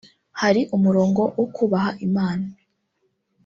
Hari umurongo wo kubaha Imana